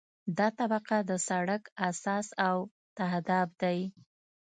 دا طبقه د سرک اساس او تهداب دی